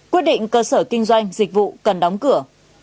quyết định cơ sở kinh doanh dịch vụ cần đóng cửa